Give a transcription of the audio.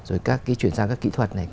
rồi chuyển sang các kỹ thuật này